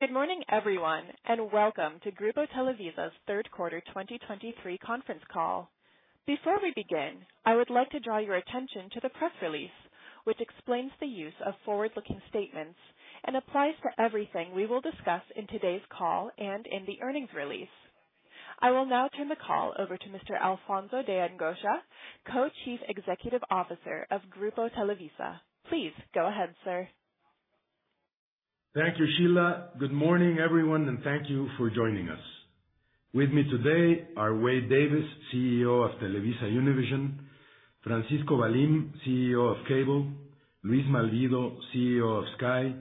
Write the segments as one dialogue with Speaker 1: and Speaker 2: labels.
Speaker 1: Good morning, everyone, and welcome to Grupo Televisa's third quarter 2023 conference call. Before we begin, I would like to draw your attention to the press release, which explains the use of forward-looking statements and applies to everything we will discuss in today's call and in the earnings release. I will now turn the call over to Mr. Alfonso de Angoitia, Co-Chief Executive Officer of Grupo Televisa. Please go ahead, sir.
Speaker 2: Thank you, Sheila. Good morning, everyone, and thank you for joining us. With me today are Wade Davis, CEO of TelevisaUnivision, Francisco Valim, CEO of Cable, Luis Malvido, CEO of Sky,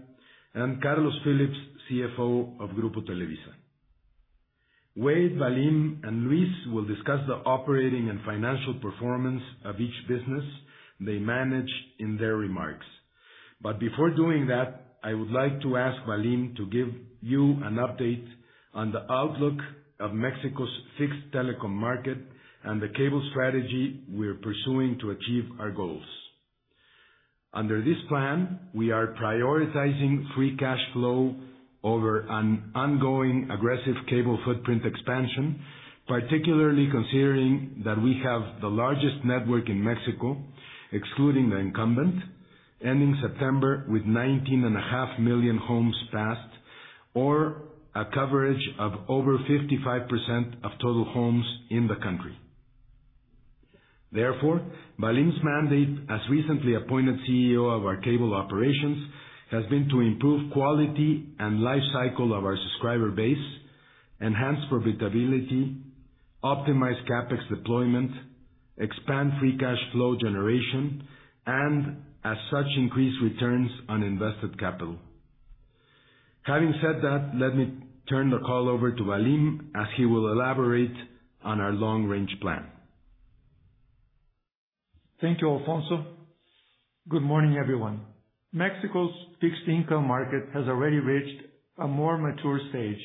Speaker 2: and Carlos Phillips, CFO of Grupo Televisa. Wade, Valim, and Luis will discuss the operating and financial performance of each business they manage in their remarks. But before doing that, I would like to ask Valim to give you an update on the outlook of Mexico's fixed telecom market and the cable strategy we're pursuing to achieve our goals. Under this plan, we are prioritizing free cash flow over an ongoing aggressive cable footprint expansion, particularly considering that we have the largest network in Mexico, excluding the incumbent, ending September with 19.5 million homes passed, or a coverage of over 55% of total homes in the country. Therefore, Valim's mandate, as recently appointed CEO of our cable operations, has been to improve quality and life cycle of our subscriber base, enhance profitability, optimize CapEx deployment, expand free cash flow generation, and as such, increase returns on invested capital. Having said that, let me turn the call over to Valim, as he will elaborate on our long-range plan.
Speaker 3: Thank you, Alfonso. Good morning, everyone. Mexico's fixed income market has already reached a more mature stage,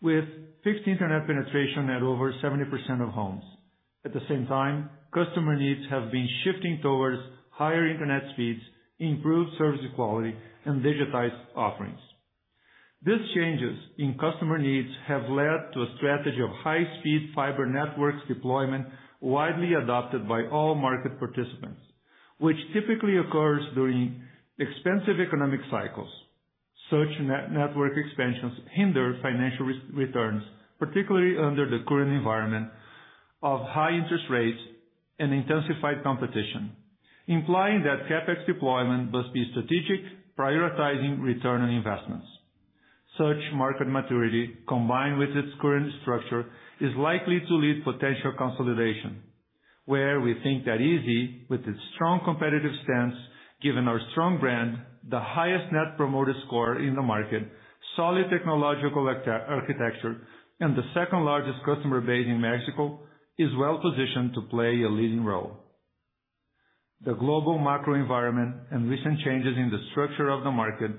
Speaker 3: with fixed internet penetration at over 70% of homes. At the same time, customer needs have been shifting towards higher internet speeds, improved service quality, and digitized offerings. These changes in customer needs have led to a strategy of high-speed fiber networks deployment, widely adopted by all market participants, which typically occurs during expensive economic cycles. Such network expansions hinder financial returns, particularly under the current environment of high interest rates and intensified competition, implying that CapEx deployment must be strategic, prioritizing return on investments. Such market maturity, combined with its current structure, is likely to lead potential consolidation, where we think that Izzi, with its strong competitive stance, given our strong brand, the highest Net Promoter Score in the market, solid technological architecture, and the second-largest customer base in Mexico, is well-positioned to play a leading role. The global macroenvironment and recent changes in the structure of the market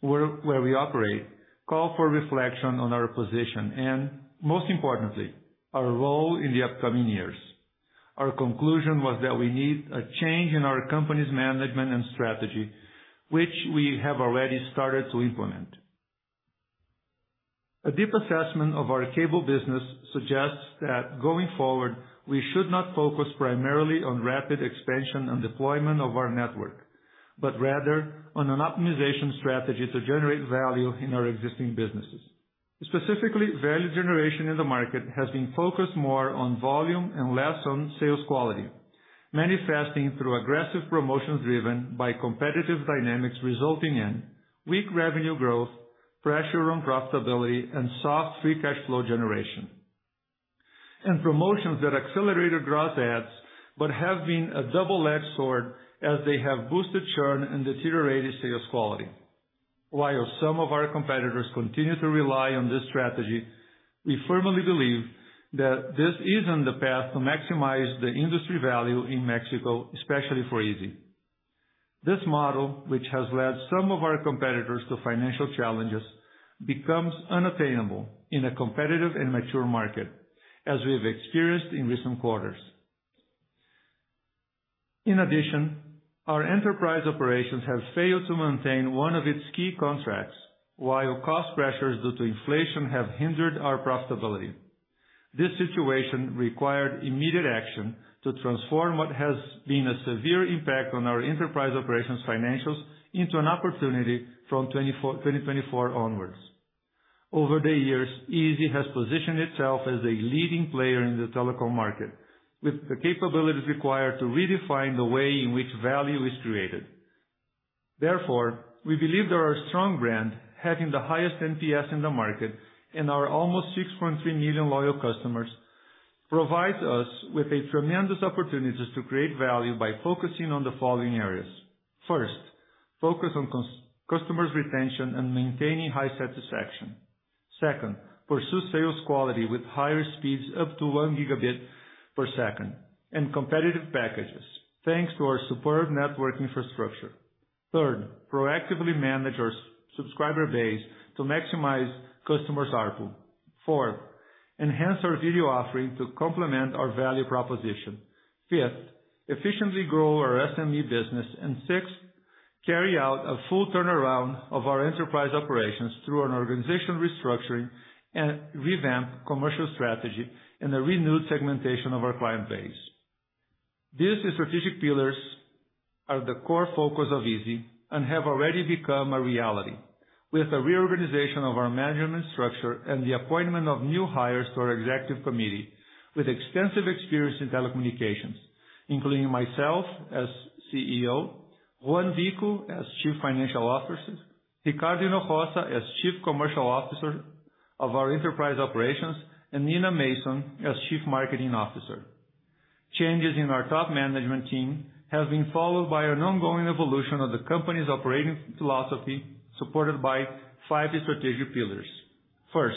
Speaker 3: where we operate, call for reflection on our position and, most importantly, our role in the upcoming years. Our conclusion was that we need a change in our company's management and strategy, which we have already started to implement. A deep assessment of our cable business suggests that going forward, we should not focus primarily on rapid expansion and deployment of our network, but rather on an optimization strategy to generate value in our existing businesses. Specifically, value generation in the market has been focused more on volume and less on sales quality, manifesting through aggressive promotions driven by competitive dynamics, resulting in weak revenue growth, pressure on profitability, and soft free cash flow generation. And promotions that accelerated growth adds, but have been a double-edged sword as they have boosted churn and deteriorated sales quality. While some of our competitors continue to rely on this strategy, we firmly believe that this isn't the path to maximize the industry value in Mexico, especially for Izzi. This model, which has led some of our competitors to financial challenges, becomes unattainable in a competitive and mature market, as we have experienced in recent quarters. In addition, our enterprise operations have failed to maintain one of its key contracts, while cost pressures due to inflation have hindered our profitability. This situation required immediate action to transform what has been a severe impact on our enterprise operations financials into an opportunity from 2024 onwards. Over the years, Izzi has positioned itself as a leading player in the telecom market, with the capabilities required to redefine the way in which value is created. Therefore, we believe that our strong brand, having the highest NPS in the market and our almost 6.3 million loyal customers, provides us with a tremendous opportunity to create value by focusing on the following areas. First, focus on customers' retention and maintaining high satisfaction. Second, pursue sales quality with higher speeds, up to 1 Gbps, and competitive packages, thanks to our superb network infrastructure. Third, proactively manage our subscriber base to maximize customers' ARPU. Fourth, enhance our video offering to complement our value proposition. Fifth, efficiently grow our SME business. Sixth, carry out a full turnaround of our enterprise operations through an organizational restructuring and revamp commercial strategy, and a renewed segmentation of our client base. These strategic pillars are the core focus of Izzi and have already become a reality, with a reorganization of our management structure and the appointment of new hires to our executive committee, with extensive experience in telecommunications, including myself as CEO, Juan Vico as Chief Financial Officer, Ricardo Hinojosa as Chief Commercial Officer of our enterprise operations, and Nina Mason as Chief Marketing Officer. Changes in our top management team have been followed by an ongoing evolution of the company's operating philosophy, supported by five strategic pillars. First,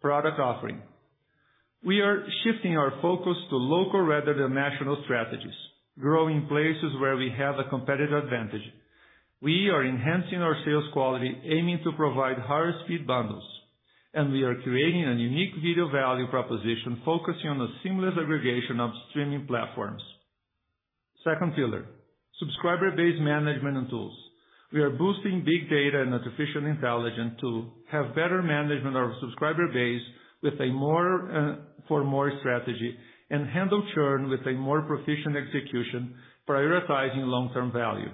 Speaker 3: product offering. We are shifting our focus to local rather than national strategies, growing places where we have a competitive advantage. We are enhancing our sales quality, aiming to provide higher speed bundles, and we are creating a unique video value proposition, focusing on the seamless aggregation of streaming platforms. Second pillar, subscriber base management and tools. We are boosting big data and artificial intelligence to have better management of our subscriber base with a more, for more strategy, and handle churn with a more proficient execution, prioritizing long-term value.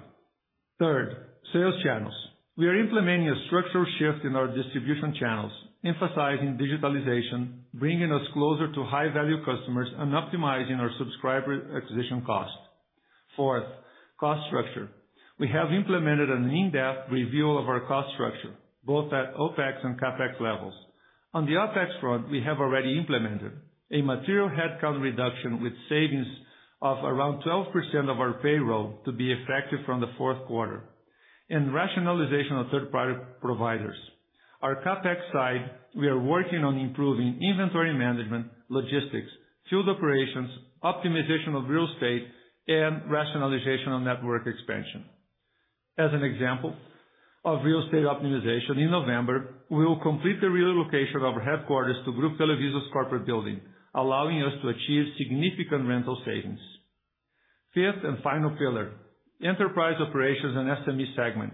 Speaker 3: Third, sales channels. We are implementing a structural shift in our distribution channels, emphasizing digitalization, bringing us closer to high-value customers, and optimizing our subscriber acquisition cost. Fourth, cost structure. We have implemented an in-depth review of our cost structure, both at OPEX and CapEx levels. On the OPEX front, we have already implemented a material headcount reduction, with savings of around 12% of our payroll to be effective from the fourth quarter, and rationalization of third-party providers. Our CapEx side, we are working on improving inventory management, logistics, field operations, optimization of real estate, and rationalization on network expansion. As an example of real estate optimization, in November, we will complete the relocation of our headquarters to Grupo Televisa's corporate building, allowing us to achieve significant rental savings. Fifth and final pillar, enterprise operations and SME segment,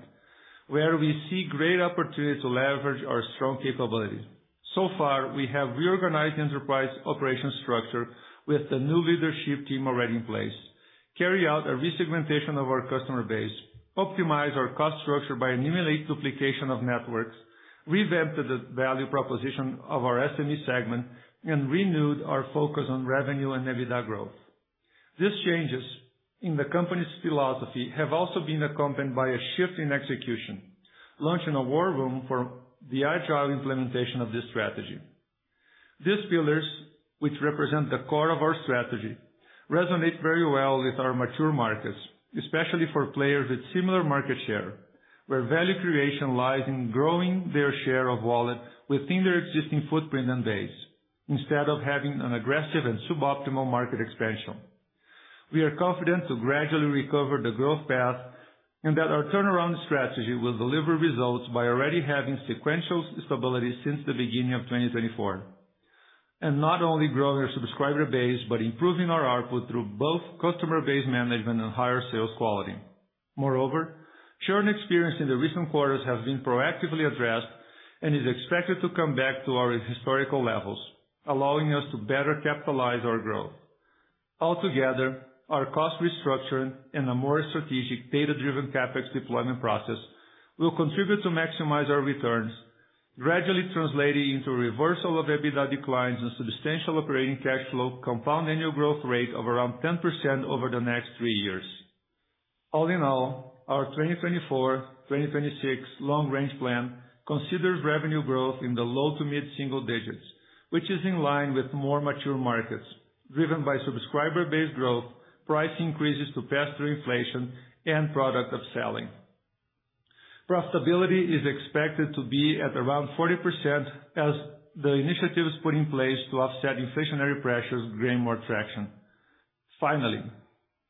Speaker 3: where we see great opportunity to leverage our strong capabilities. So far, we have reorganized enterprise operations structure with the new leadership team already in place, carry out a resegmentation of our customer base, optimize our cost structure by eliminating duplication of networks, revamped the value proposition of our SME segment, and renewed our focus on revenue and EBITDA growth. These changes in the company's philosophy have also been accompanied by a shift in execution, launching a war room for the agile implementation of this strategy. These pillars, which represent the core of our strategy, resonate very well with our mature markets, especially for players with similar market share, where value creation lies in growing their share of wallet within their existing footprint and base, instead of having an aggressive and suboptimal market expansion. We are confident to gradually recover the growth path and that our turnaround strategy will deliver results by already having sequential stability since the beginning of 2024, and not only growing our subscriber base, but improving our ARPU through both customer base management and higher sales quality. Moreover, churn experience in the recent quarters has been proactively addressed and is expected to come back to our historical levels, allowing us to better capitalize our growth. Altogether, our cost restructuring and a more strategic, data-driven CapEx deployment process will contribute to maximize our returns, gradually translating into a reversal of EBITDA declines and substantial operating cash flow, compound annual growth rate of around 10% over the next three years. All in all, our 2024-2026 long range plan considers revenue growth in the low to mid-single digits, which is in line with more mature markets, driven by subscriber base growth, price increases to pass through inflation, and product of selling. Profitability is expected to be at around 40%, as the initiatives put in place to offset inflationary pressures gain more traction. Finally,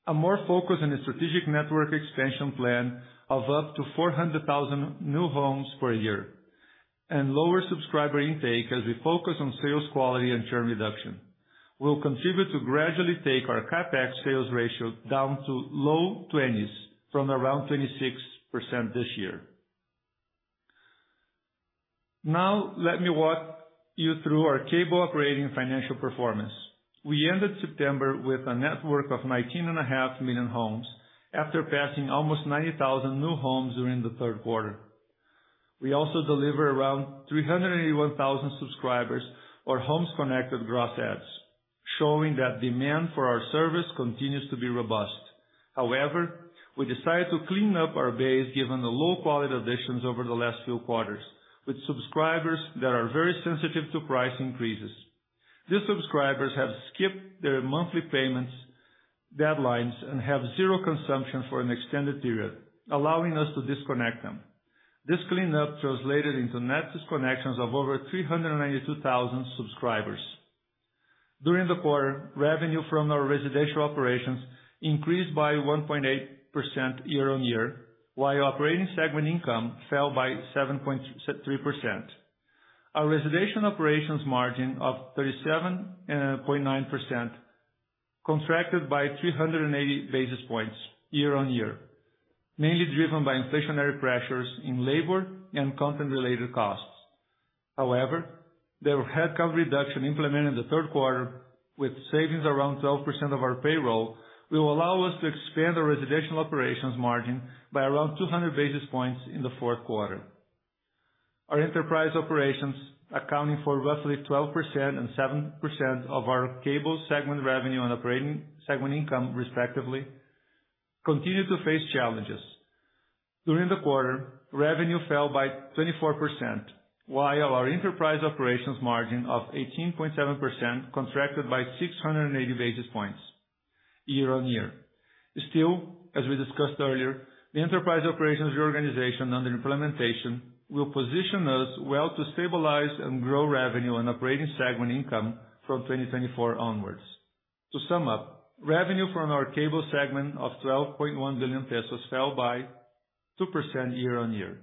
Speaker 3: a more focus on a strategic network expansion plan of up to 400,000 new homes per year, and lower subscriber intake as we focus on sales quality and churn reduction, will contribute to gradually take our CapEx sales ratio down to low 20s, from around 26% this year. Now, let me walk you through our cable operating financial performance. We ended September with a network of 19.5 million homes, after passing almost 90,000 new homes during the third quarter. We also deliver around 381,000 subscribers or homes connected gross adds, showing that demand for our service continues to be robust. However, we decided to clean up our base, given the low-quality additions over the last few quarters, with subscribers that are very sensitive to price increases. These subscribers have skipped their monthly payments, deadlines, and have zero consumption for an extended period, allowing us to disconnect them. This cleanup translated into net disconnections of over 392,000 subscribers.... During the quarter, revenue from our residential operations increased by 1.8% year-on-year, while operating segment income fell by 7.3%. Our residential operations margin of 37.9% contracted by 380 basis points year-on-year, mainly driven by inflationary pressures in labor and content-related costs. However, the headcount reduction implemented in the third quarter, with savings around 12% of our payroll, will allow us to expand our residential operations margin by around 200 basis points in the fourth quarter. Our enterprise operations, accounting for roughly 12% and 7% of our cable segment revenue and operating segment income, respectively, continue to face challenges. During the quarter, revenue fell by 24%, while our enterprise operations margin of 18.7% contracted by 680 basis points year-on-year. Still, as we discussed earlier, the enterprise operations reorganization under implementation will position us well to stabilize and grow revenue and operating segment income from 2024 onwards. To sum up, revenue from our cable segment of 12.1 billion pesos fell by 2% year-on-year,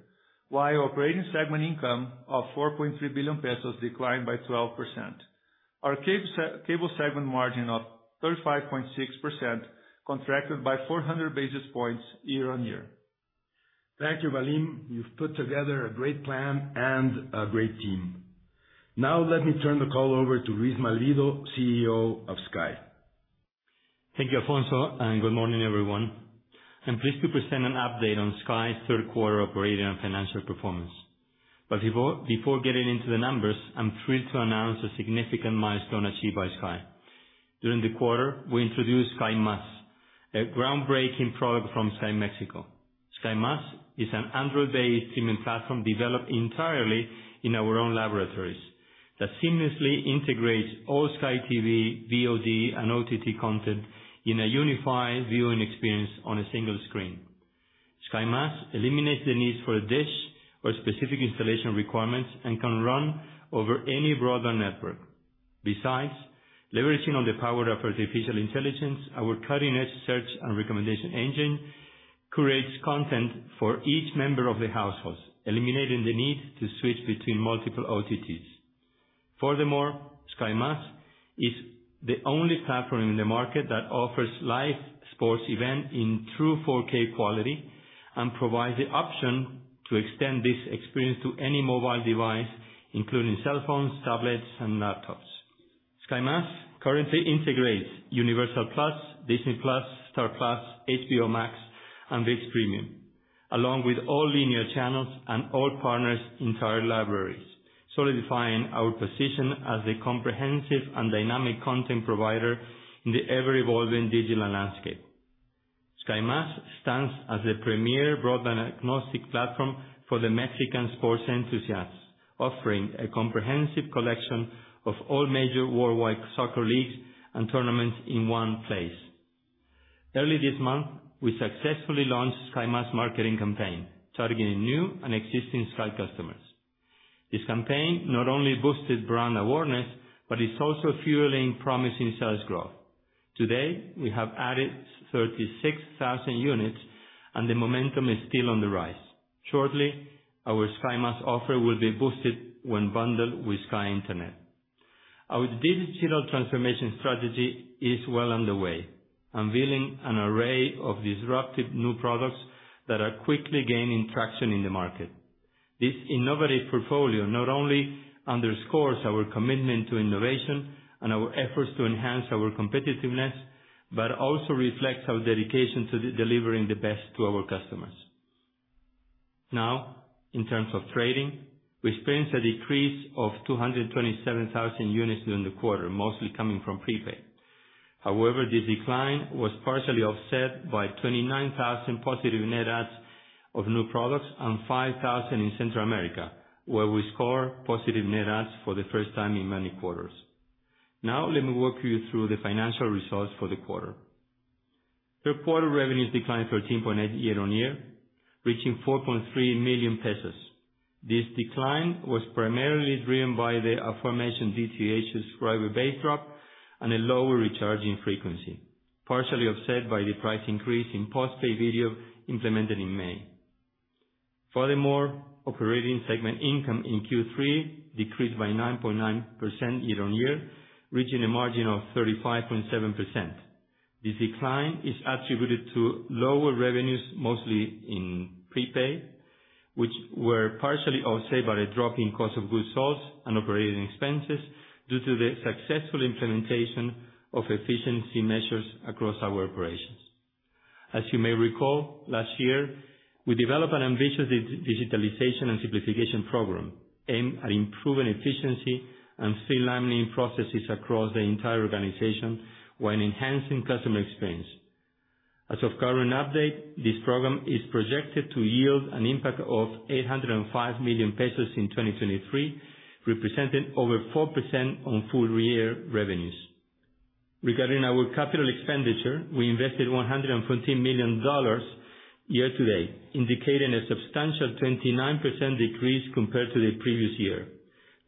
Speaker 3: while operating segment income of 4.3 billion pesos declined by 12%. Our cable segment margin of 35.6% contracted by 400 basis points year-on-year.
Speaker 2: Thank you, Valim. You've put together a great plan and a great team. Now, let me turn the call over to Luis Malvido, CEO of Sky.
Speaker 4: Thank you, Alfonso, and good morning, everyone. I'm pleased to present an update on Sky's third quarter operating and financial performance. But before getting into the numbers, I'm thrilled to announce a significant milestone achieved by Sky. During the quarter, we introduced Sky Más, a groundbreaking product from Sky México. Sky Más is an Android-based streaming platform developed entirely in our own laboratories, that seamlessly integrates all Sky TV, VOD, and OTT content in a unified viewing experience on a single screen. Sky Más eliminates the need for a dish or specific installation requirements and can run over any broadband network. Besides, leveraging on the power of artificial intelligence, our cutting-edge search and recommendation engine curates content for each member of the households, eliminating the need to switch between multiple OTTs. Furthermore, Sky Más is the only platform in the market that offers live sports event in true 4K quality, and provides the option to extend this experience to any mobile device, including cell phones, tablets, and laptops. Sky Más currently integrates Universal+, Disney+, Star+, HBO Max, and ViX Premium, along with all linear channels and all partners' entire libraries, solidifying our position as a comprehensive and dynamic content provider in the ever-evolving digital landscape. Sky Más stands as a premier broadband agnostic platform for the Mexican sports enthusiasts, offering a comprehensive collection of all major worldwide soccer leagues and tournaments in one place. Early this month, we successfully launched Sky Más marketing campaign, targeting new and existing Sky customers. This campaign not only boosted brand awareness, but is also fueling promising sales growth. Today, we have added 36,000 units, and the momentum is still on the rise. Shortly, our Sky Más offer will be boosted when bundled with Sky Internet. Our digital transformation strategy is well underway, unveiling an array of disruptive new products that are quickly gaining traction in the market. This innovative portfolio not only underscores our commitment to innovation and our efforts to enhance our competitiveness, but also reflects our dedication to delivering the best to our customers. Now, in terms of trading, we experienced a decrease of 227,000 units during the quarter, mostly coming from prepaid. However, this decline was partially offset by 29,000 positive net adds of new products, and 5,000 in Central America, where we score positive net adds for the first time in many quarters. Now, let me walk you through the financial results for the quarter. Third quarter revenues declined 13.8% year-on-year, reaching 4.3 million pesos. This decline was primarily driven by the aforementioned DTH subscriber base drop and a lower recharging frequency, partially offset by the price increase in post-pay video implemented in May. Furthermore, operating segment income in Q3 decreased by 9.9% year-on-year, reaching a margin of 35.7%. This decline is attributed to lower revenues, mostly in prepaid, which were partially offset by a drop in cost of goods sold and operating expenses due to the successful implementation of efficiency measures across our operations. As you may recall, last year, we developed an ambitious digitalization and simplification program aimed at improving efficiency and streamlining processes across the entire organization, while enhancing customer experience. As of current update, this program is projected to yield an impact of 805 million pesos in 2023, representing over 4% on full year revenues. Regarding our capital expenditure, we invested $114 million year-to-date, indicating a substantial 29% decrease compared to the previous year.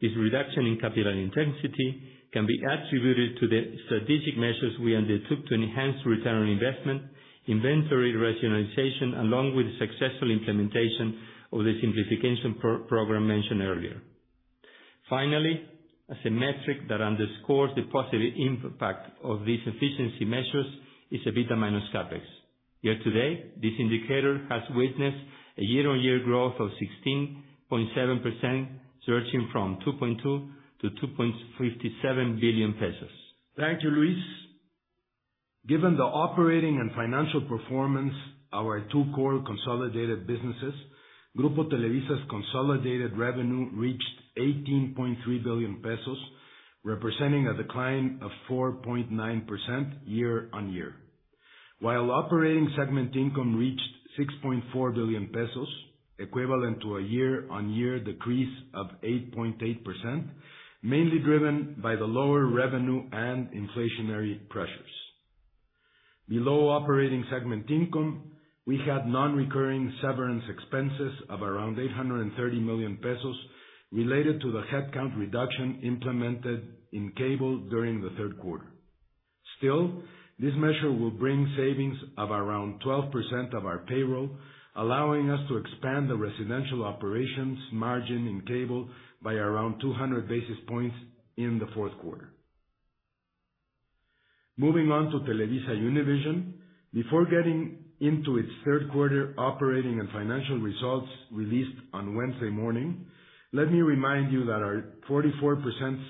Speaker 4: This reduction in capital intensity can be attributed to the strategic measures we undertook to enhance return on investment, inventory rationalization, along with successful implementation of the simplification program mentioned earlier. Finally, as a metric that underscores the positive impact of these efficiency measures is EBITDA minus CapEx. Year to date, this indicator has witnessed a year-on-year growth of 16.7%, surging from 2.2 billion to 2.57 billion pesos.
Speaker 2: Thank you, Luis. Given the operating and financial performance, our two core consolidated businesses, Grupo Televisa's consolidated revenue reached 18.3 billion pesos, representing a decline of 4.9% year-on-year. While operating segment income reached 6.4 billion pesos, equivalent to a year-on-year decrease of 8.8%, mainly driven by the lower revenue and inflationary pressures. Below operating segment income, we had non-recurring severance expenses of around 830 million pesos related to the headcount reduction implemented in cable during the third quarter. Still, this measure will bring savings of around 12% of our payroll, allowing us to expand the residential operations margin in cable by around 200 basis points in the fourth quarter. Moving on to TelevisaUnivision. Before getting into its third quarter operating and financial results released on Wednesday morning, let me remind you that our 44%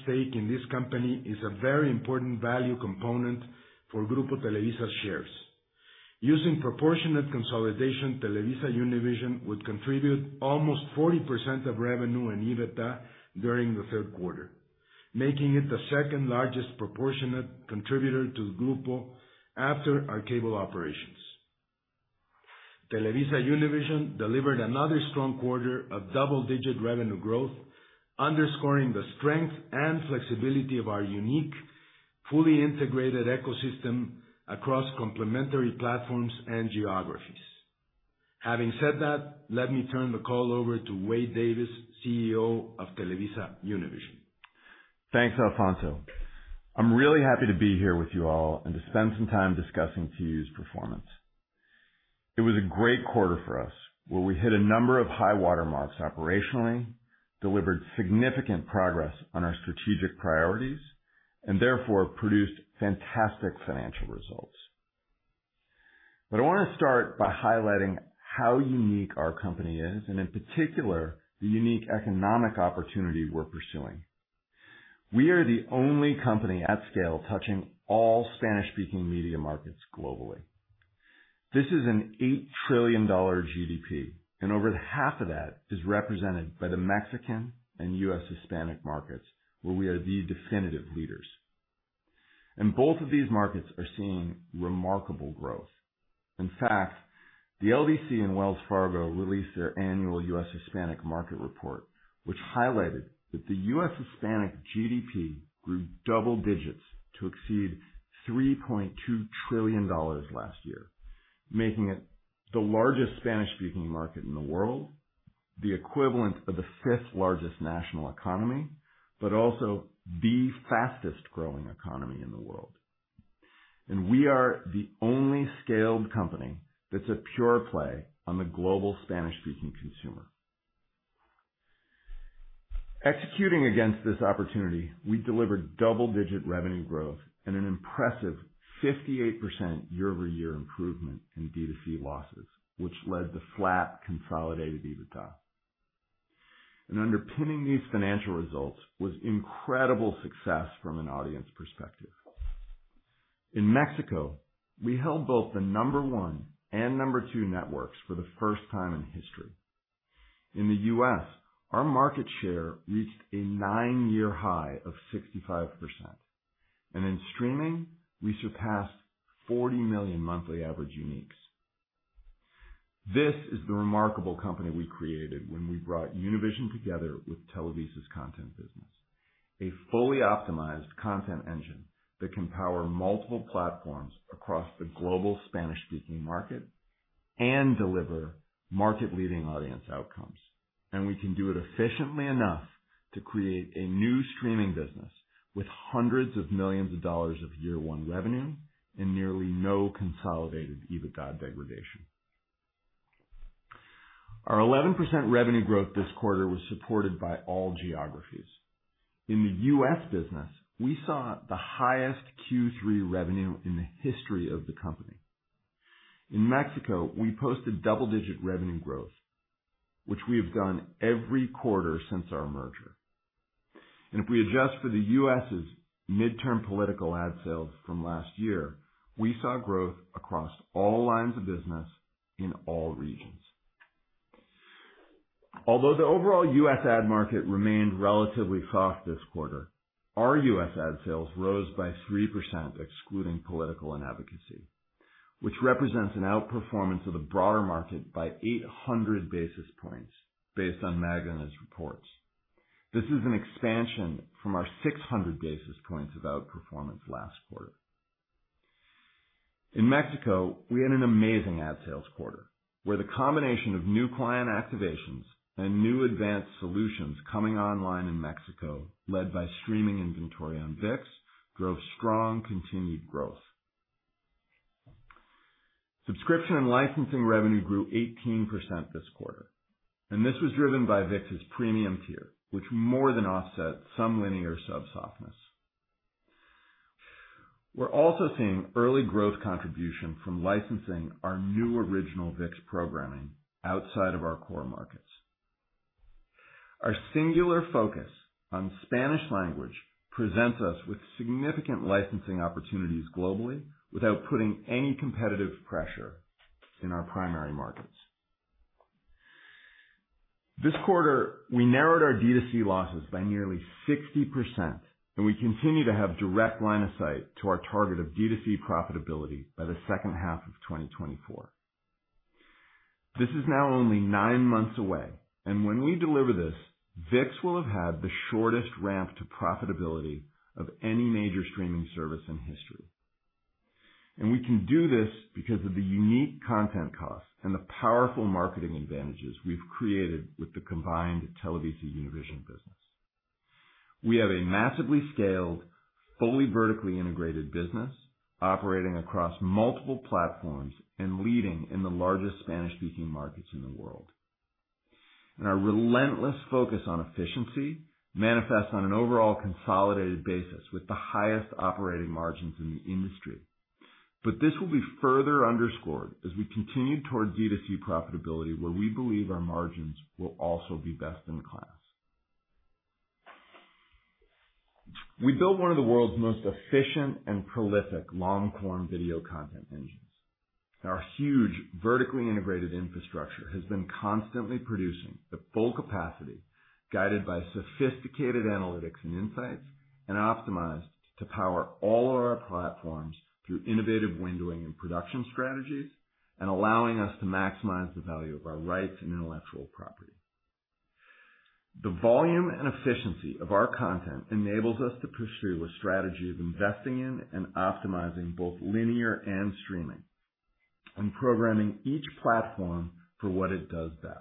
Speaker 2: stake in this company is a very important value component for Grupo Televisa's shares. Using proportionate consolidation, TelevisaUnivision would contribute almost 40% of revenue and EBITDA during the third quarter, making it the second largest proportionate contributor to the Grupo after our cable operations. TelevisaUnivision delivered another strong quarter of double-digit revenue growth, underscoring the strength and flexibility of our unique, fully integrated ecosystem across complementary platforms and geographies. Having said that, let me turn the call over to Wade Davis, CEO of TelevisaUnivision.
Speaker 5: Thanks, Alfonso. I'm really happy to be here with you all and to spend some time discussing T.U.'s performance. It was a great quarter for us, where we hit a number of high water marks operationally, delivered significant progress on our strategic priorities, and therefore produced fantastic financial results. But I wanna start by highlighting how unique our company is, and in particular, the unique economic opportunity we're pursuing. We are the only company at scale touching all Spanish-speaking media markets globally. This is a $8 trillion GDP, and over half of that is represented by the Mexican and U.S. Hispanic markets, where we are the definitive leaders. Both of these markets are seeing remarkable growth. In fact, the LDC and Wells Fargo released their annual US Hispanic market report, which highlighted that the US Hispanic GDP grew double digits to exceed $3.2 trillion last year, making it the largest Spanish-speaking market in the world, the equivalent of the fifth largest national economy, but also the fastest growing economy in the world. We are the only scaled company that's a pure play on the global Spanish-speaking consumer. Executing against this opportunity, we delivered double-digit revenue growth and an impressive 58% year-over-year improvement in D2C losses, which led to flat consolidated EBITDA. Underpinning these financial results was incredible success from an audience perspective. In Mexico, we held both the number one and number two networks for the first time in history. In the U.S., our market share reached a nine year high of 65%, and in streaming, we surpassed 40 million monthly average uniques. This is the remarkable company we created when we brought Univision together with Televisa's content business. A fully optimized content engine that can power multiple platforms across the global Spanish-speaking market and deliver market-leading audience outcomes. And we can do it efficiently enough to create a new streaming business with hundreds of millions of dollars of year one revenue and nearly no consolidated EBITDA degradation. Our 11% revenue growth this quarter was supported by all geographies. In the U.S. business, we saw the highest Q3 revenue in the history of the company. In Mexico, we posted double-digit revenue growth, which we have done every quarter since our merger. If we adjust for the U.S.'s midterm political ad sales from last year, we saw growth across all lines of business in all regions. Although the overall U.S. ad market remained relatively soft this quarter, our U.S. ad sales rose by 3%, excluding political and advocacy, which represents an outperformance of the broader market by 800 basis points, based on Magna's reports. This is an expansion from our 600 basis points of outperformance last quarter. In Mexico, we had an amazing ad sales quarter, where the combination of new client activations and new advanced solutions coming online in Mexico, led by streaming inventory on ViX, drove strong continued growth. Subscription and licensing revenue grew 18% this quarter, and this was driven by ViX's premium tier, which more than offset some linear sub softness. We're also seeing early growth contribution from licensing our new original ViX programming outside of our core markets. Our singular focus on Spanish language presents us with significant licensing opportunities globally, without putting any competitive pressure in our primary markets. This quarter, we narrowed our D2C losses by nearly 60%, and we continue to have direct line of sight to our target of D2C profitability by the second half of 2024. This is now only 9 months away, and when we deliver this, ViX will have had the shortest ramp to profitability of any major streaming service in history. We can do this because of the unique content costs and the powerful marketing advantages we've created with the combined TelevisaUnivision business. We have a massively scaled, fully vertically integrated business operating across multiple platforms and leading in the largest Spanish-speaking markets in the world. And our relentless focus on efficiency manifests on an overall consolidated basis with the highest operating margins in the industry. This will be further underscored as we continue toward D2C profitability, where we believe our margins will also be best in class. We built one of the world's most efficient and prolific long-form video content engines. Our huge, vertically integrated infrastructure has been constantly producing at full capacity, guided by sophisticated analytics and insights, and optimized to power all of our platforms through innovative windowing and production strategies, and allowing us to maximize the value of our rights and intellectual property. The volume and efficiency of our content enables us to pursue a strategy of investing in and optimizing both linear and streaming, and programming each platform for what it does best.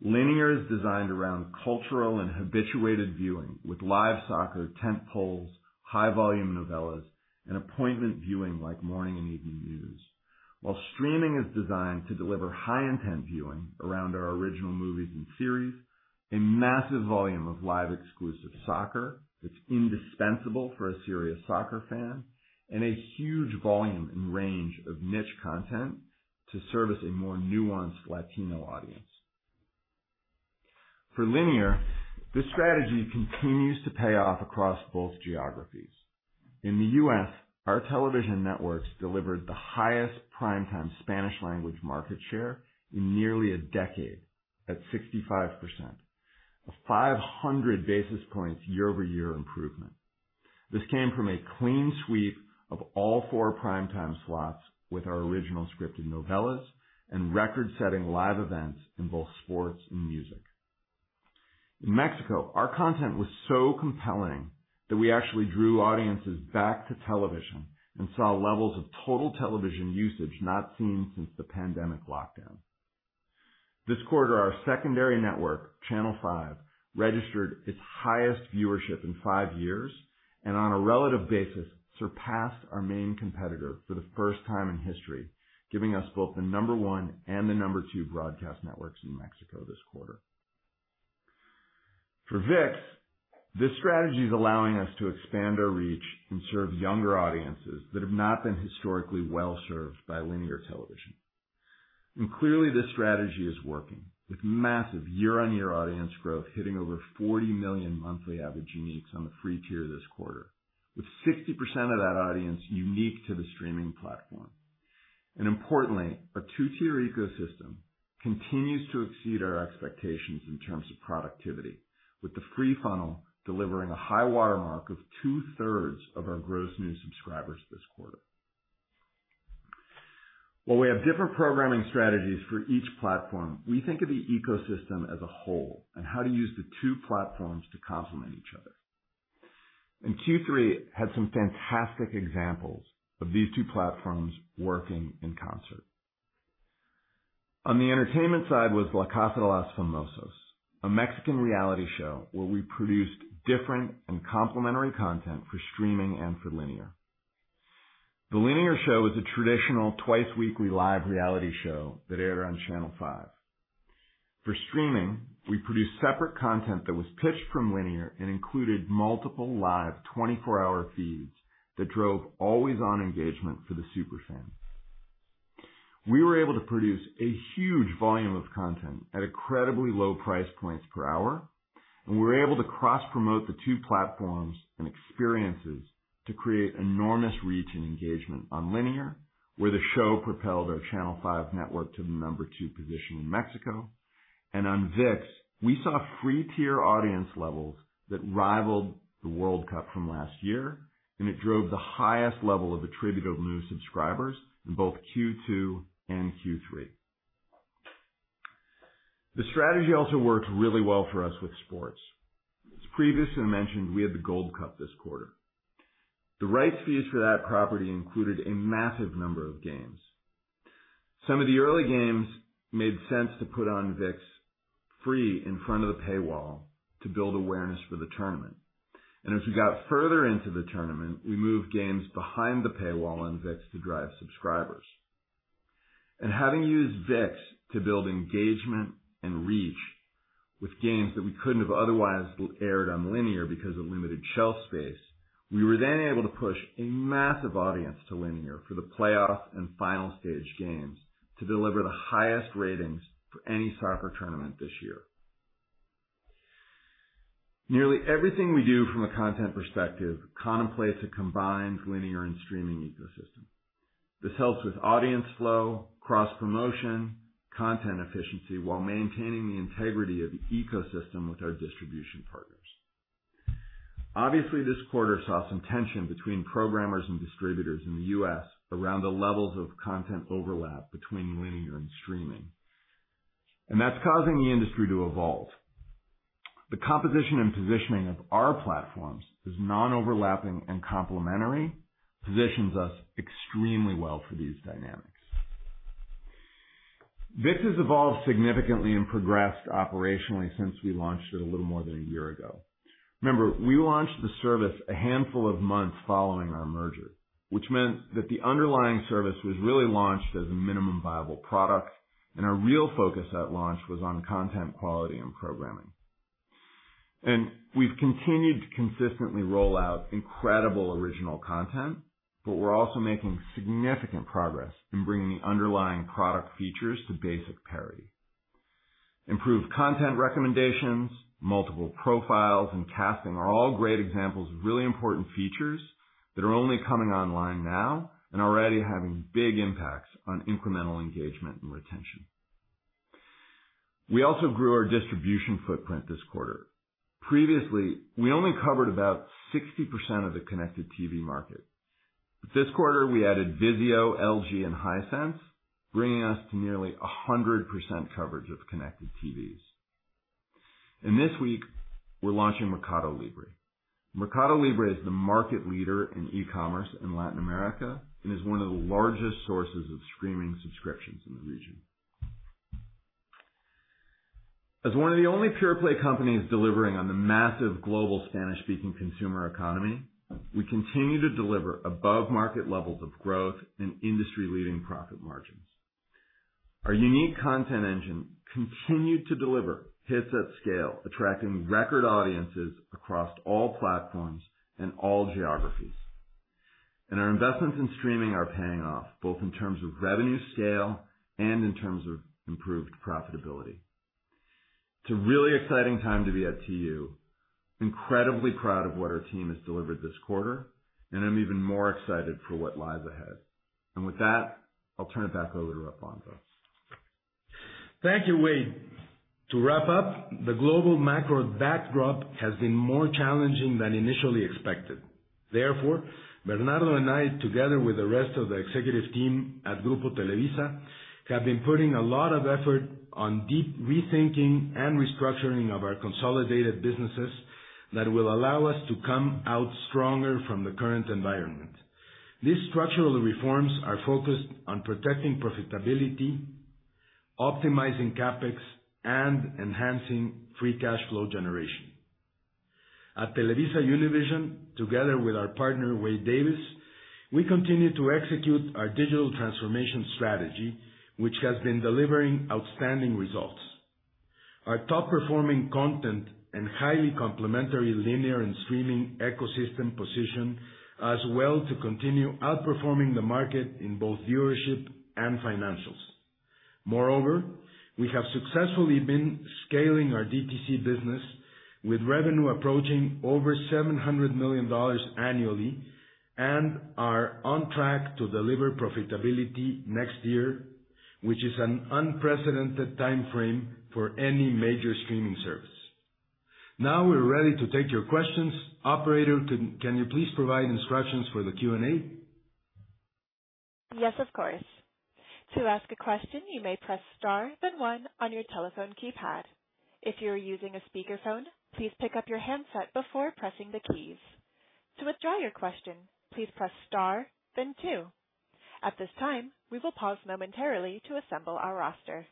Speaker 5: Linear is designed around cultural and habituated viewing, with live soccer, tent poles, high volume novellas, and appointment viewing like morning and evening news. While streaming is designed to deliver high intent viewing around our original movies and series, a massive volume of live exclusive soccer, that's indispensable for a serious soccer fan, and a huge volume and range of niche content to service a more nuanced Latino audience. For linear, this strategy continues to pay off across both geographies. In the U.S., our television networks delivered the highest primetime Spanish language market share in nearly a decade, at 65%, a 500 basis points year-over-year improvement. This came from a clean sweep of all four primetime slots with our original scripted novellas and record-setting live events in both sports and music. In Mexico, our content was so compelling that we actually drew audiences back to television and saw levels of total television usage not seen since the pandemic lockdown. This quarter, our secondary network, Channel Five, registered its highest viewership in five years, and on a relative basis, surpassed our main competitor for the first time in history, giving us both the number one and the number two broadcast networks in Mexico this quarter. For ViX, this strategy is allowing us to expand our reach and serve younger audiences that have not been historically well served by linear television. Clearly, this strategy is working, with massive year-on-year audience growth hitting over 40 million monthly average uniques on the free tier this quarter, with 60% of that audience unique to the streaming platform. Importantly, our two-tier ecosystem continues to exceed our expectations in terms of productivity, with the free funnel delivering a high watermark of two-thirds of our gross new subscribers this quarter. While we have different programming strategies for each platform, we think of the ecosystem as a whole and how to use the two platforms to complement each other. Q3 had some fantastic examples of these two platforms working in concert. On the entertainment side was La Casa de los Famosos, a Mexican reality show where we produced different and complementary content for streaming and for linear. The linear show was a traditional twice weekly live reality show that aired on Channel Five. For streaming, we produced separate content that was pitched from linear and included multiple live 24-hour feeds that drove always-on engagement for the super fans. We were able to produce a huge volume of content at incredibly low price points per hour, and we were able to cross-promote the two platforms and experiences to create enormous reach and engagement on linear, where the show propelled our Channel Five network to the number 2 position in Mexico. And on ViX, we saw free tier audience levels that rivaled the World Cup from last year, and it drove the highest level of attributed new subscribers in both Q2 and Q3. The strategy also works really well for us with sports. As previously mentioned, we had the Gold Cup this quarter. The rights fees for that property included a massive number of games. Some of the early games made sense to put on ViX free in front of the paywall to build awareness for the tournament. As we got further into the tournament, we moved games behind the paywall on ViX to drive subscribers. And having used ViX to build engagement and reach with games that we couldn't have otherwise aired on linear because of limited shelf space, we were then able to push a massive audience to linear for the playoff and final stage games to deliver the highest ratings for any soccer tournament this year. Nearly everything we do from a content perspective contemplates a combined linear and streaming ecosystem. This helps with audience flow, cross promotion, content efficiency, while maintaining the integrity of the ecosystem with our distribution partners. Obviously, this quarter saw some tension between programmers and distributors in the U.S. around the levels of content overlap between linear and streaming, and that's causing the industry to evolve. The composition and positioning of our platforms is non-overlapping and complementary, positions us extremely well for these dynamics. ViX has evolved significantly and progressed operationally since we launched it a little more than a year ago. Remember, we launched the service a handful of months following our merger, which meant that the underlying service was really launched as a minimum viable product, and our real focus at launch was on content, quality, and programming. We've continued to consistently roll out incredible original content, but we're also making significant progress in bringing the underlying product features to basic parity. Improved content recommendations, multiple profiles, and casting are all great examples of really important features that are only coming online now and already having big impacts on incremental engagement and retention. We also grew our distribution footprint this quarter. Previously, we only covered about 60% of the connected TV market. This quarter, we added Vizio, LG, and Hisense, bringing us to nearly 100% coverage of connected TVs. And this week, we're launching Mercado Libre. Mercado Libre is the market leader in e-commerce in Latin America and is one of the largest sources of streaming subscriptions in the region. As one of the only pure play companies delivering on the massive global Spanish-speaking consumer economy, we continue to deliver above-market levels of growth and industry-leading profit margins. Our unique content engine continued to deliver hits at scale, attracting record audiences across all platforms and all geographies. And our investments in streaming are paying off, both in terms of revenue scale and in terms of improved profitability. It's a really exciting time to be at T.U.. Incredibly proud of what our team has delivered this quarter, and I'm even more excited for what lies ahead. With that, I'll turn it back over to Alfonso.
Speaker 2: Thank you, Wade. To wrap up, the global macro backdrop has been more challenging than initially expected. Therefore, Bernardo and I, together with the rest of the executive team at Grupo Televisa, have been putting a lot of effort on deep rethinking and restructuring of our consolidated businesses that will allow us to come out stronger from the current environment. These structural reforms are focused on protecting profitability, optimizing CapEx, and enhancing free cash flow generation. At TelevisaUnivision, together with our partner, Wade Davis, we continue to execute our digital transformation strategy, which has been delivering outstanding results. Our top-performing content and highly complementary linear and streaming ecosystem position us well to continue outperforming the market in both viewership and financials. Moreover, we have successfully been scaling our DTC business with revenue approaching over $700 million annually and are on track to deliver profitability next year, which is an unprecedented timeframe for any major streaming service. Now we're ready to take your questions. Operator, can you please provide instructions for the Q&A?
Speaker 1: Yes, of course. To ask a question, you may press star, then one on your telephone keypad. If you're using a speakerphone, please pick up your handset before pressing the keys. To withdraw your question, please press star then two. At this time, we will pause momentarily to assemble our roster.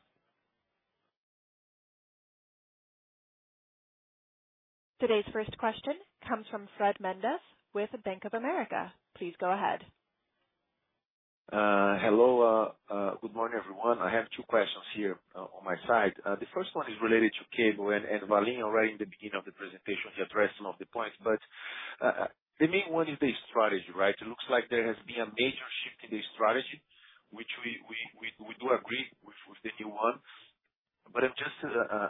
Speaker 1: Today's first question comes from Fred Mendes with Bank of America. Please go ahead.
Speaker 6: Hello. Good morning, everyone. I have two questions here on my side. The first one is related to cable, and Valim already in the beginning of the presentation, he addressed some of the points, but the main one is the strategy, right? It looks like there has been a major shift in the strategy, which we do agree with, the new one. But I'm just,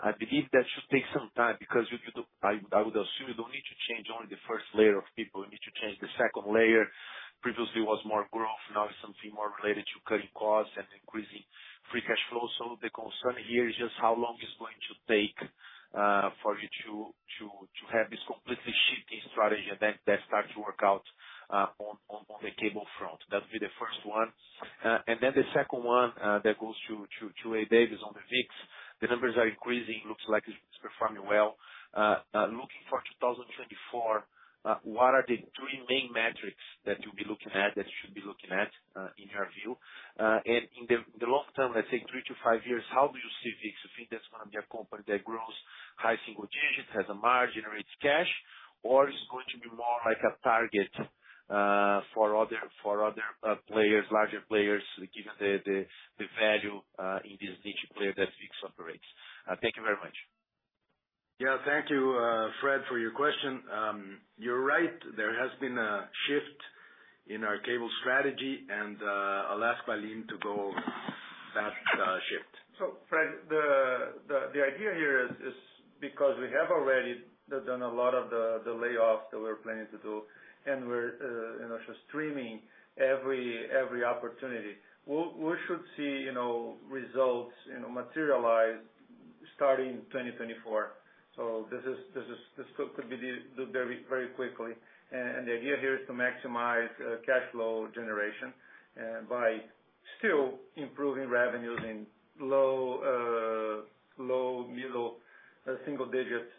Speaker 6: I believe that should take some time, because if you do—I would assume you don't need to change only the first layer of people, you need to change the second layer. Previously was more growth, now it's something more related to cutting costs and increasing free cash flow. So the concern here is just how long it's going to take?... For you to have this completely shifting strategy that starts to work out on the cable front. That'll be the first one. And then the second one that goes to Wade Davis on the ViX. The numbers are increasing. Looks like it's performing well. Looking for 2024, what are the three main metrics that you'll be looking at, that you should be looking at in your view? And in the long term, let's say three to five years, how do you see ViX? You think that's gonna be a company that grows high single digits, has a margin, or it's cash, or is it going to be more like a target for other larger players, given the value in this niche player that ViX operates? Thank you very much.
Speaker 2: Yeah, thank you, Fred, for your question. You're right, there has been a shift in our cable strategy, and I'll ask Valim to go over that shift.
Speaker 3: Fred, the idea here is because we have already done a lot of the layoffs that we're planning to do, and we're, you know, just streaming every, every opportunity. We should see, you know, results, you know, materialize starting in 2024. This is, this could be the, do very, very quickly. The idea here is to maximize, you know, cash flow generation by still improving revenues in low, low, middle, single digits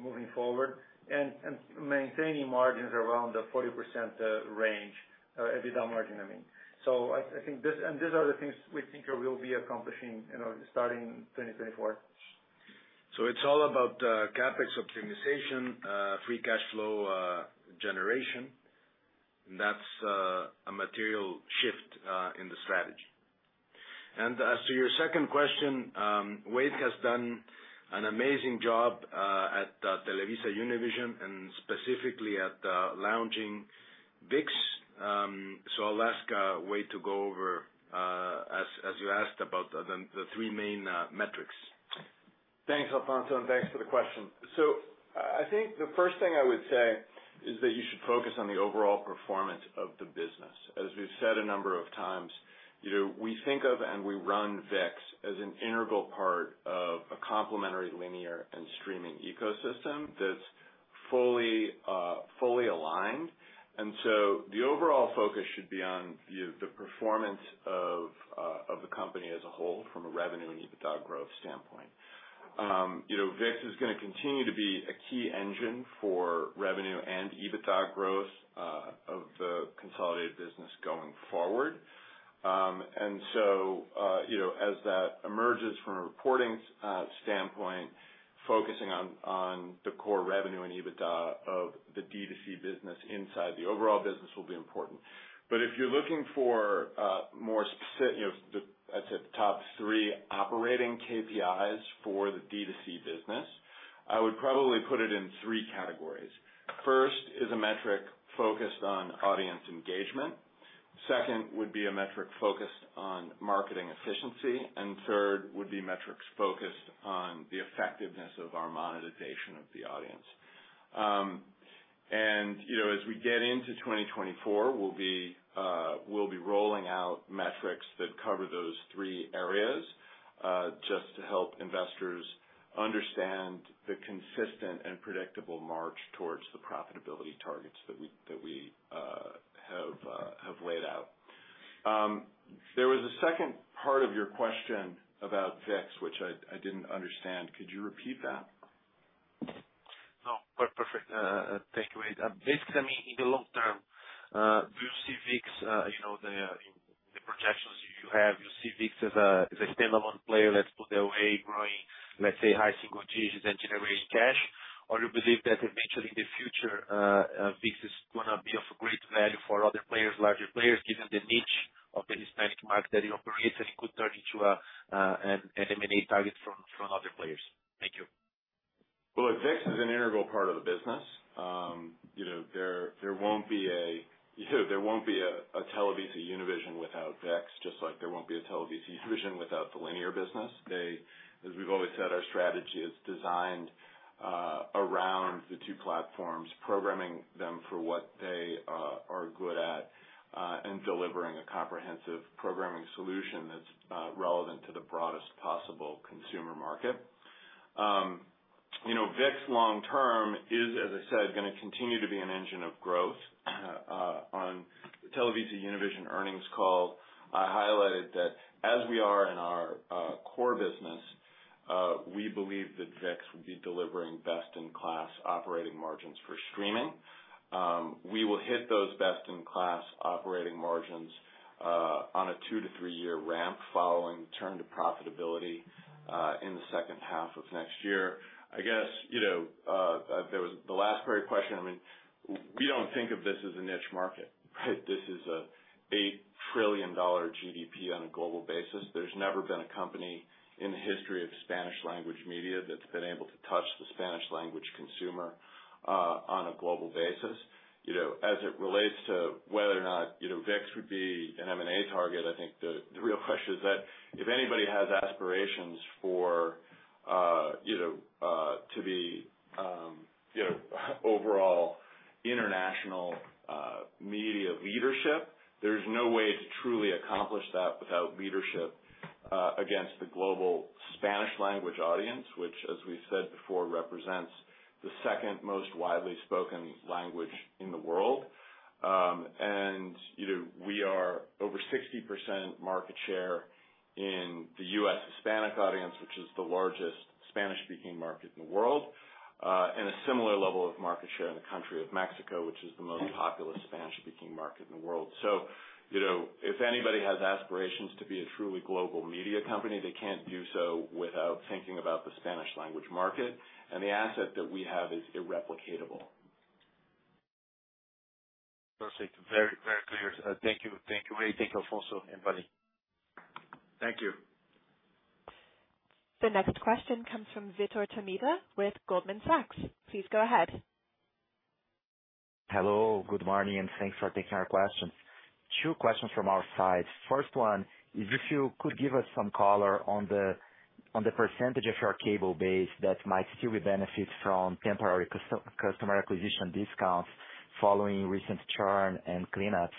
Speaker 3: moving forward, and maintaining margins around the 40% range, EBITDA margin, I mean. I think this-- and these are the things we think we'll be accomplishing, you know, starting in 2024.
Speaker 2: It's all about CapEx optimization, free cash flow generation. That's a material shift in the strategy. As to your second question, Wade has done an amazing job at TelevisaUnivision, and specifically at launching ViX. I'll ask Wade to go over, as you asked about the three main metrics.
Speaker 5: Thanks, Alfonso, and thanks for the question. So I think the first thing I would say is that you should focus on the overall performance of the business. As we've said a number of times, you know, we think of and we run ViX as an integral part of a complementary linear and streaming ecosystem that's fully aligned. And so the overall focus should be on the performance of the company as a whole, from a revenue and EBITDA growth standpoint. You know, ViX is gonna continue to be a key engine for revenue and EBITDA growth of the consolidated business going forward. And so you know, as that emerges from a reporting standpoint, focusing on the core revenue and EBITDA of the D2C business inside the overall business will be important. But if you're looking for more specific, you know, the, let's say, top three operating KPIs for the D2C business, I would probably put it in three categories. First is a metric focused on audience engagement. Second would be a metric focused on marketing efficiency. And third would be metrics focused on the effectiveness of our monetization of the audience. And, you know, as we get into 2024, we'll be rolling out metrics that cover those three areas, just to help investors understand the consistent and predictable march towards the profitability targets that we have laid out. There was a second part of your question about ViX, which I didn't understand. Could you repeat that?
Speaker 6: No, perfect, thank you, Wade. ViX, I mean, in the long term, do you see ViX, you know, the projections you have, you see ViX as a standalone player, let's put the way, growing, let's say, high single digits and generating cash? Or you believe that eventually in the future, ViX is gonna be of great value for other players, larger players, given the niche of the Hispanic market that it operates, and it could turn into a, an M&A target from other players? Thank you.
Speaker 5: Well, ViX is an integral part of the business. You know, there won't be a TelevisaUnivision without ViX, just like there won't be a TelevisaUnivision without the linear business. They... As we've always said, our strategy is designed around the two platforms, programming them for what they are good at, and delivering a comprehensive programming solution that's relevant to the broadest possible consumer market. You know, ViX long term is, as I said, gonna continue to be an engine of growth. On TelevisaUnivision earnings call, I highlighted that as we are in our core business, we believe that ViX will be delivering best-in-class operating margins for streaming. We will hit those best-in-class operating margins on a two to three-year ramp, following return to profitability in the second half of next year. I guess, you know, there was the last part of your question. I mean, we don't think of this as a niche market. This is a $8 trillion GDP on a global basis. There's never been a company in the history of Spanish language media that's been able to touch the Spanish language consumer on a global basis. You know, as it relates to whether or not, you know, ViX would be an M&A target, I think the, the real question is that if anybody has aspirations for, you know-... You know, overall international media leadership, there's no way to truly accomplish that without leadership against the global Spanish language audience, which, as we've said before, represents the second most widely spoken language in the world. And, you know, we are over 60% market share in the U.S. Hispanic audience, which is the largest Spanish-speaking market in the world, and a similar level of market share in the country of Mexico, which is the most populous Spanish-speaking market in the world. So, you know, if anybody has aspirations to be a truly global media company, they can't do so without thinking about the Spanish language market, and the asset that we have is irreplicatable.
Speaker 6: Perfect. Very, very clear. Thank you. Thank you, Wade. Thank you, Alfonso and Valim.
Speaker 5: Thank you.
Speaker 1: The next question comes from Vitor Tomita with Goldman Sachs. Please go ahead.
Speaker 7: Hello, good morning, and thanks for taking our question. Two questions from our side. First one is if you could give us some color on the percentage of your cable base that might still benefit from temporary customer acquisition discounts following recent churn and cleanups?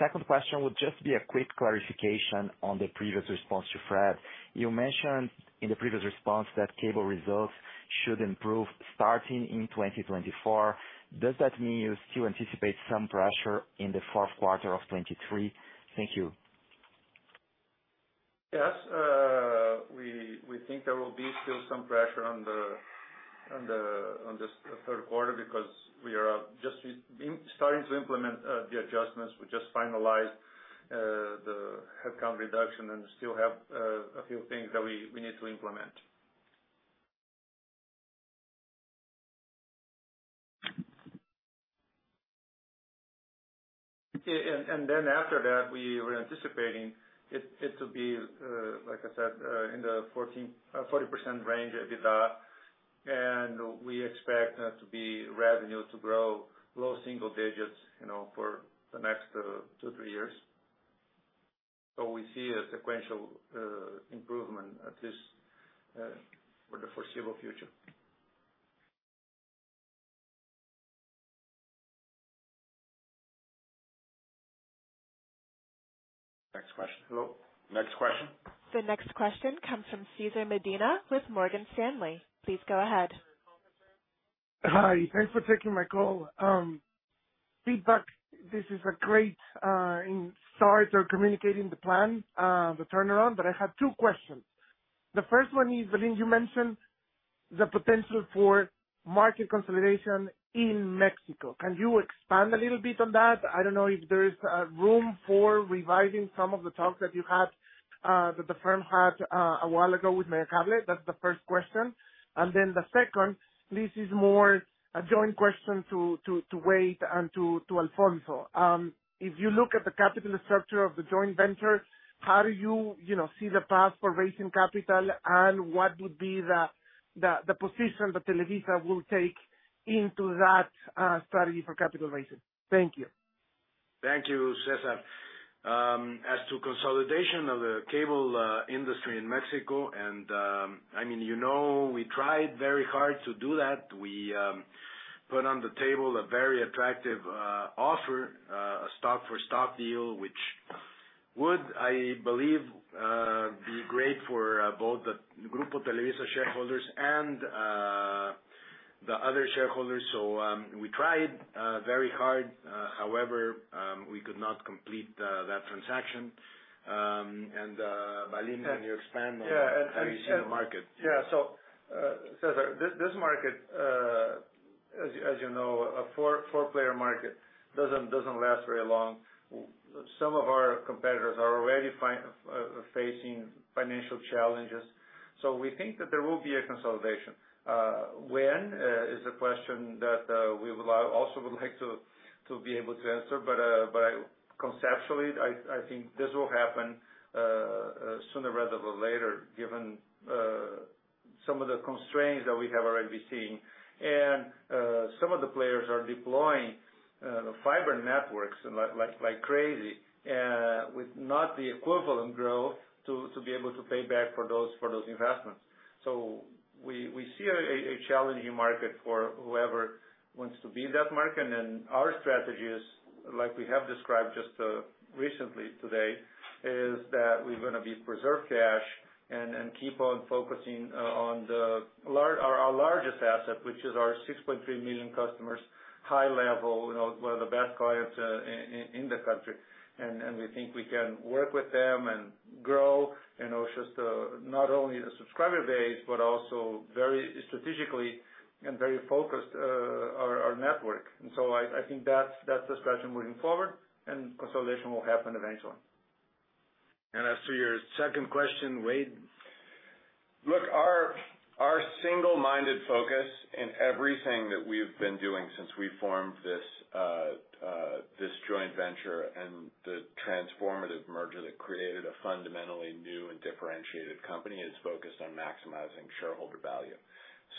Speaker 7: Second question would just be a quick clarification on the previous response to Fred. You mentioned in the previous response that cable results should improve starting in 2024. Does that mean you still anticipate some pressure in the fourth quarter of 2023? Thank you.
Speaker 2: Yes, we think there will be still some pressure on the third quarter, because we are just re-starting to implement the adjustments. We just finalized the headcount reduction and still have a few things that we need to implement. And then after that, we were anticipating it to be, like I said, in the 40% range EBITDA, and we expect there to be revenue to grow low single digits, you know, for the next two to three years. So we see a sequential improvement at this for the foreseeable future. Next question. Hello, next question?
Speaker 1: The next question comes from Cesar Medina with Morgan Stanley. Please go ahead.
Speaker 8: Hi, thanks for taking my call. Feedback, this is a great start to communicating the plan, the turnaround, but I have two questions. The first one is, Valim, you mentioned the potential for market consolidation in Mexico. Can you expand a little bit on that? I don't know if there is room for reviving some of the talks that you had, that the firm had, a while ago with Megacable. That's the first question. And then the second, this is more a joint question to Wade and to Alfonso. If you look at the capital structure of the joint venture, how do you, you know, see the path for raising capital? And what would be the position that Televisa will take into that strategy for capital raising? Thank you.
Speaker 2: Thank you, Cesar. As to consolidation of the cable industry in Mexico, and, I mean, you know, we tried very hard to do that. We put on the table a very attractive offer, a stock for stock deal, which would, I believe, be great for both the Grupo Televisa shareholders and the other shareholders. So, we tried very hard, however, we could not complete that transaction. Valim, can you expand on the market?
Speaker 3: Yeah. So, Cesar, this, this market, as, as you know, a four-player market, doesn't last very long. Some of our competitors are already facing financial challenges, so we think that there will be a consolidation. When is a question that we would also would like to be able to answer, but but I conceptually, I, I think this will happen sooner rather than later, given some of the constraints that we have already been seeing. Some of the players are deploying fiber networks like, like, like crazy with not the equivalent growth to to be able to pay back for those for those investments. So we we see a a challenging market for whoever wants to be that market. And then our strategy is, like we have described just recently today, is that we're gonna be preserve cash and keep on focusing on our our largest asset, which is our 6.3 million customers, high level, you know, one of the best clients in the country. And we think we can work with them and grow, you know, just not only the subscriber base, but also very strategically and very focused our network. And so I think that's the strategy moving forward, and consolidation will happen eventually. And as to your second question, Wade?
Speaker 5: Look, our single-minded focus in everything that we've been doing since we formed this joint venture and the transformative merger that created a fundamentally new and differentiated company is focused on maximizing shareholder value.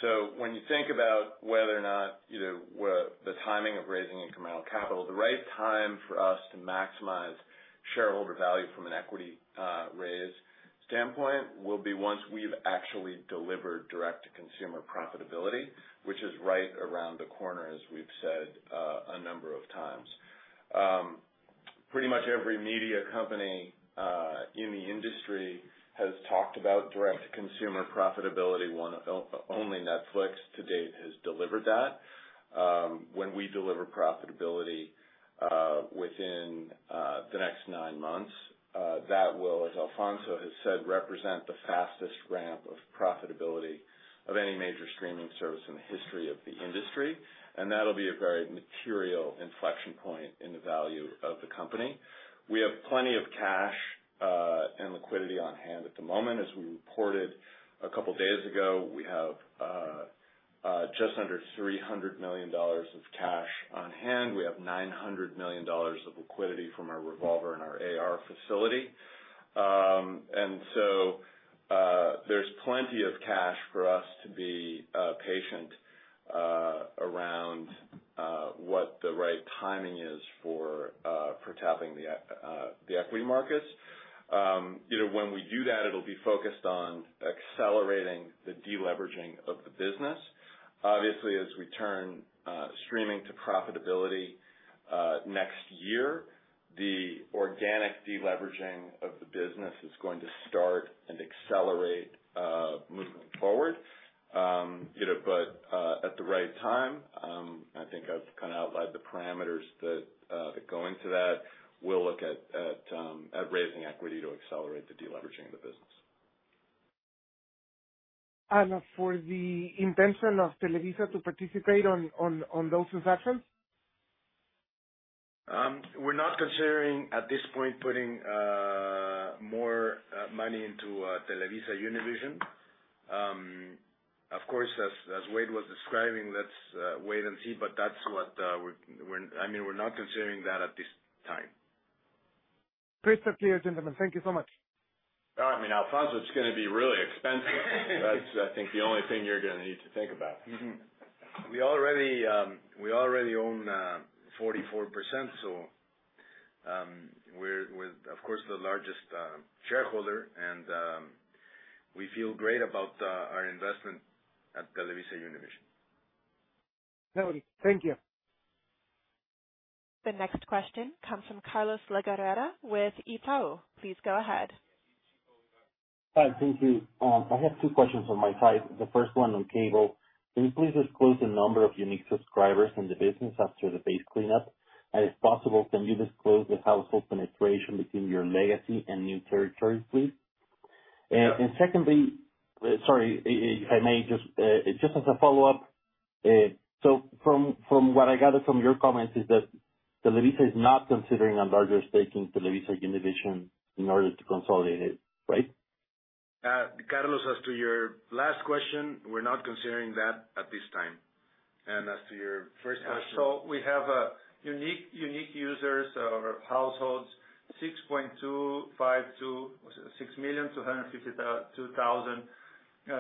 Speaker 5: So when you think about whether or not-... the timing of raising incremental capital. The right time for us to maximize shareholder value from an equity raise standpoint, will be once we've actually delivered direct-to-consumer profitability, which is right around the corner, as we've said a number of times. Pretty much every media company in the industry has talked about direct-to-consumer profitability. One of only Netflix to date has delivered that. When we deliver profitability within the next nine months, that will, as Alfonso has said, represent the fastest ramp of profitability of any major streaming service in the history of the industry. And that'll be a very material inflection point in the value of the company. We have plenty of cash and liquidity on hand at the moment. As we reported a couple of days ago, we have just under $300 million of cash on hand. We have $900 million of liquidity from our revolver and our AR facility. And so, there's plenty of cash for us to be patient around what the right timing is for tapping the equity markets. You know, when we do that, it'll be focused on accelerating the deleveraging of the business. Obviously, as we turn streaming to profitability next year, the organic deleveraging of the business is going to start and accelerate moving forward. You know, but at the right time, I think I've kind of outlined the parameters that go into that. We'll look at raising equity to accelerate the deleveraging of the business.
Speaker 8: For the intention of Televisa to participate on those transactions?
Speaker 2: We're not considering at this point putting more money into TelevisaUnivision. Of course, as Wade was describing, let's wait and see, but that's what we're -- I mean, we're not considering that at this time.
Speaker 8: Perfect, clear, gentlemen. Thank you so much.
Speaker 5: All right. I mean, Alfonso, it's gonna be really expensive. That's, I think, the only thing you're gonna need to think about.
Speaker 2: Mm-hmm. We already own 44%, so we're of course the largest shareholder, and we feel great about our investment at TelevisaUnivision.
Speaker 8: Thank you.
Speaker 1: The next question comes from Carlos Legarreta with Itaú. Please go ahead.
Speaker 9: Hi, thank you. I have two questions on my side. The first one on cable. Can you please disclose the number of unique subscribers in the business after the base cleanup? And if possible, can you disclose the household penetration between your legacy and new territories, please?
Speaker 3: Yeah.
Speaker 9: Secondly, sorry, if I may just as a follow-up, so from what I gathered from your comments is that Televisa is not considering a larger stake in TelevisaUnivision in order to consolidate it, right?
Speaker 2: Carlos, as to your last question, we're not considering that at this time. And as to your first question-
Speaker 3: So we have unique users or households, 6.252 million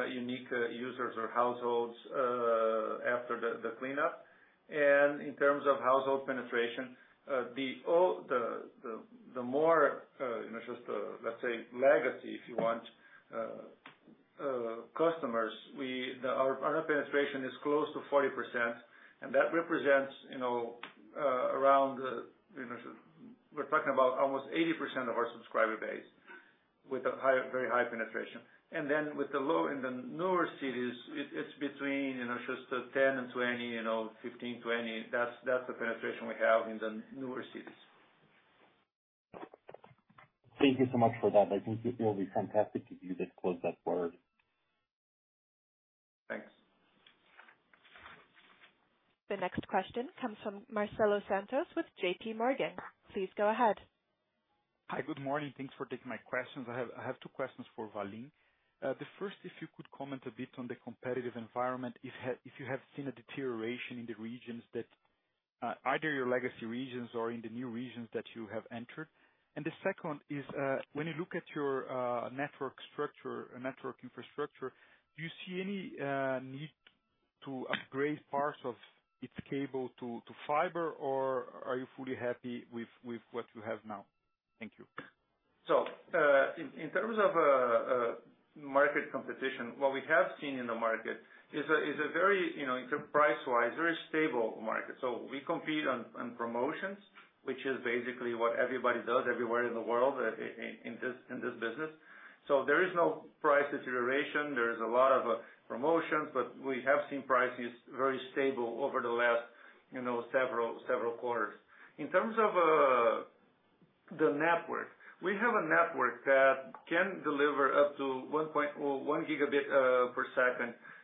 Speaker 3: unique users or households after the cleanup. And in terms of household penetration, the more, let's say legacy, if you want, customers, our penetration is close to 40%, and that represents, you know, around, you know, we're talking about almost 80% of our subscriber base with a very high penetration. And then with the low in the newer cities, it's between, you know, just 10%-20%, you know, 15%-20%. That's the penetration we have in the newer cities.
Speaker 9: Thank you so much for that. I think it will be fantastic if you disclose that forward.
Speaker 3: Thanks.
Speaker 1: The next question comes from Marcelo Santos with JPMorgan. Please go ahead.
Speaker 10: Hi, good morning. Thanks for taking my questions. I have, I have two questions for Valim. The first, if you could comment a bit on the competitive environment, if you have seen a deterioration in the regions that, either your legacy regions or in the new regions that you have entered? And the second is, when you look at your network structure, network infrastructure, do you see any need to upgrade parts of its cable to, to fiber, or are you fully happy with what you have now? Thank you.
Speaker 3: So, in terms of market competition, what we have seen in the market is a very, you know, price-wise, very stable market. So we compete on promotions, which is basically what everybody does everywhere in the world, in this business. So there is no price deterioration. There is a lot of promotions, but we have seen prices very stable over the last, you know, several quarters. In terms of the network, we have a network that can deliver up to 1.1 Gbps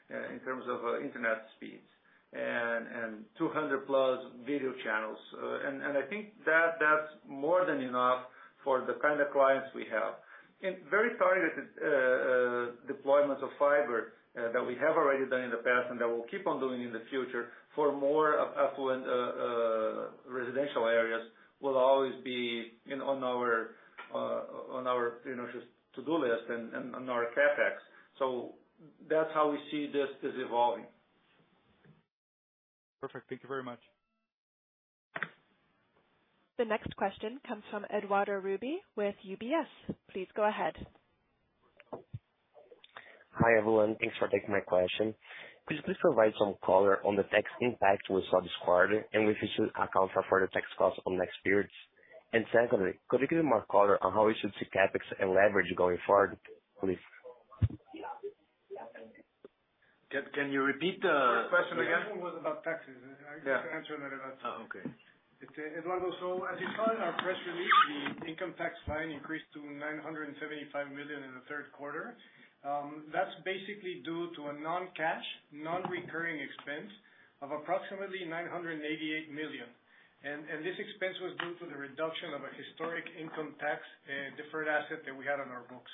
Speaker 3: in terms of internet speeds and 200+ video channels. And I think that that's more than enough for the kind of clients we have. In very targeted deployment of fiber that we have already done in the past and that we'll keep on doing in the future, for more affluent customers-... in on our you know just to-do list and on our CapEx. So that's how we see this is evolving.
Speaker 10: Perfect. Thank you very much.
Speaker 1: The next question comes from Eduardo Rubi with UBS. Please go ahead.
Speaker 11: Hi, everyone. Thanks for taking my question. Could you please provide some color on the tax impact we saw this quarter and we should account for further tax costs on next periods? And secondly, could you give more color on how we should see CapEx and leverage going forward, please?
Speaker 2: Can you repeat the question again?
Speaker 12: The question was about taxes, and I can answer that.
Speaker 2: Oh, okay.
Speaker 12: Eduardo, so as you saw in our press release, the income tax line increased to 975 million in the third quarter. That's basically due to a non-cash, non-recurring expense of approximately 988 million. And this expense was due to the reduction of a historic income tax deferred asset that we had on our books.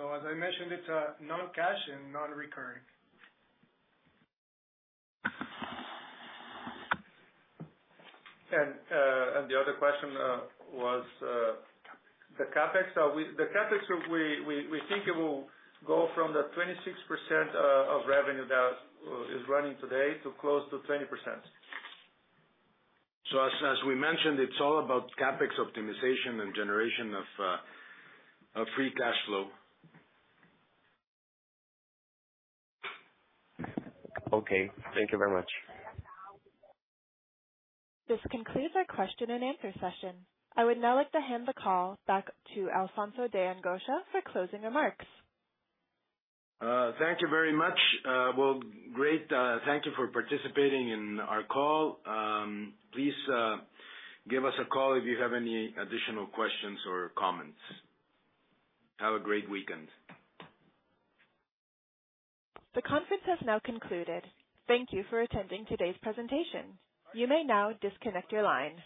Speaker 12: So as I mentioned, it's non-cash and non-recurring. The other question was the CapEx. So we... The CapEx, we think it will go from the 26% of revenue that is running today to close to 20%. So as we mentioned, it's all about CapEx optimization and generation of free cash flow.
Speaker 11: Okay. Thank you very much.
Speaker 1: This concludes our question and answer session. I would now like to hand the call back to Alfonso de Angoitia for closing remarks.
Speaker 2: Thank you very much. Well, great, thank you for participating in our call. Please, give us a call if you have any additional questions or comments. Have a great weekend.
Speaker 1: The conference has now concluded. Thank you for attending today's presentation. You may now disconnect your line.